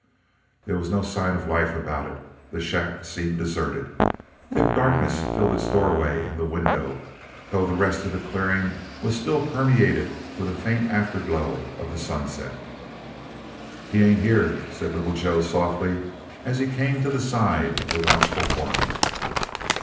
There was no sign of life about it. The shack seemed deserted. Thick darkness filled its doorway and the window, though the rest of the clearing was still permeated with a faint afterglow of the sunset. "He ain't here," said Little Joe softly, as he came to the side of the watchful foreman.